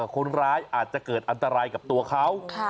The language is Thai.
คนร้ายอาจจะเกิดอันตรายกับตัวเขา